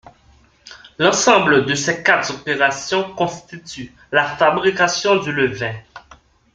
L'ensemble de ces quatre opérations constitue la fabrication du levain.